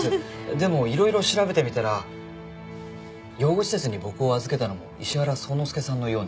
でも色々調べてみたら養護施設に僕を預けたのも石原宗之助さんのようなんです。